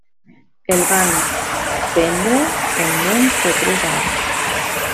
El van prendre en menys de tres hores.